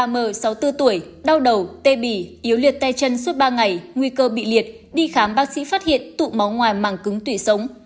m sáu mươi bốn tuổi đau đầu tê bì yếu liệt tay chân suốt ba ngày nguy cơ bị liệt đi khám bác sĩ phát hiện tụ máu ngoài màng cứng tủy sống